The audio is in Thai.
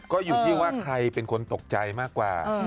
ก็อยู่ที่ว่าใครเป็นคนตกใจมากกว่า